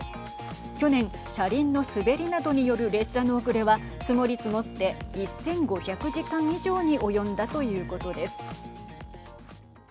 去年、車輪の滑りなどによる列車の遅れは積もり積もって１５００時間以上に及んだということです。